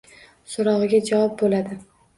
Soʻrogʻiga javob boʻladi